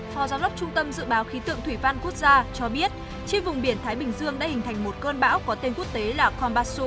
phó giáo đốc trung tâm dự báo khí tượng thủy văn quốc gia cho biết trên vùng biển thái bình dương đã hình thành một cơn bão có tên quốc tế là con basu